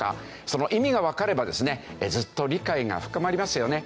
その意味がわかればですねずっと理解が深まりますよね。